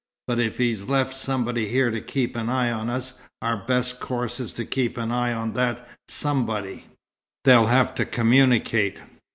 But if he's left somebody here to keep an eye on us, our best course is to keep an eye on that somebody. They'll have to communicate."